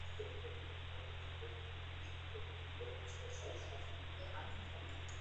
ধন্য তিনি, যাঁহার জীবনে ইহার লক্ষণসমূহ প্রকাশ পাইয়াছে।